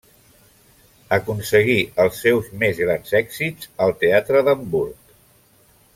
Aconseguí els seus més grans èxits al teatre d'Hamburg.